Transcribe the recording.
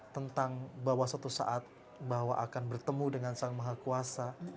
tentang bahwa suatu saat bahwa akan bertemu dengan sang maha kuasa